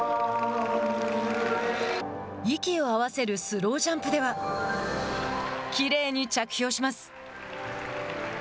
息を合わせるスロージャンプではきれいに着氷します。